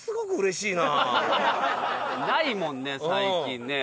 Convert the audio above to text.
ないもんね最近ね。